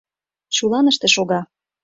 Чуланыште шога.